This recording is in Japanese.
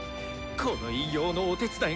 この偉業のお手伝いができ